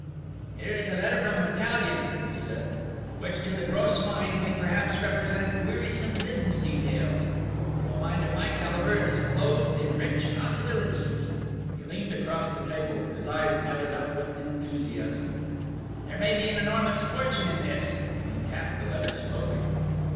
"Here is a letter from an Italian," he said, "which to the gross mind may perhaps represent wearisome business details. To a mind of my calibre, it is clothed in rich possibilities." He leaned across the table; his eyes lighted up with enthusiasm. "There may be an enormous fortune in this," and he tapped the letter slowly.